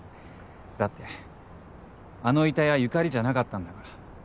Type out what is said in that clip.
だってあの遺体は由香里じゃなかったんだから。